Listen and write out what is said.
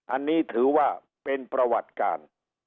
อันนี้ถือว่าเป็นประวัติการ